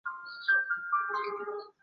之后被上级魔族率领不死者军团灭国。